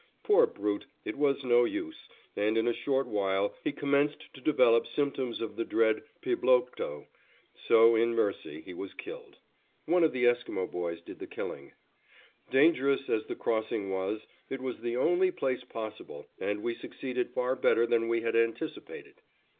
Poor brute, it was no use, and in a short while he commenced to develop symptoms of the dread piblokto, so in mercy he was killed. One of the Esquimo boys did the killing. Dangerous as the crossing was, it was the only place possible, and we succeeded far better than we had anticipated.